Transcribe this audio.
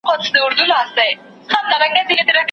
چي هم نن په وینو لژند هم سبا په وینو سور دی